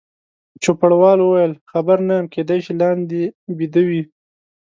چوپړوال وویل: خبر نه یم، کېدای شي لاندې بیده وي.